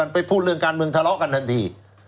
ไปพูดเรื่องการเมืองทะเลาะกันทันที